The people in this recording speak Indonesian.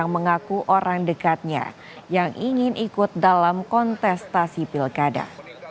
mengaku orang dekatnya yang ingin ikut dalam kontestasi pilkada